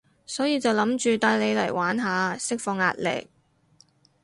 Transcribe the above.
所以就諗住帶你嚟玩下，釋放壓力